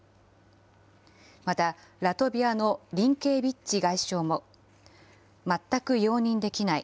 またラトビアのリンケービッチ外相も、全く容認できない。